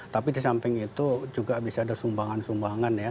tapi di samping itu juga bisa ada sumbangan sumbangan ya